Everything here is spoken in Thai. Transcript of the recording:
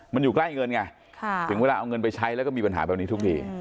มันอยู่ใกล้เงินไงถึงเวลาเอาเงินไปใช้แล้วก็มีปัญหาแบบนี้ทุกที